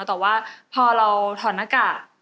แต่ว่าพอเราถอดหน้ากาก